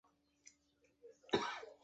敬翔人。